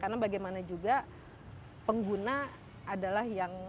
karena bagaimana juga pengguna adalah yang